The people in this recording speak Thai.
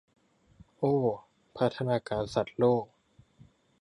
โอ้ พัฒนาการสัตว์โลก